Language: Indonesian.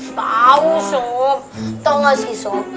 sob tahu nggak sih sob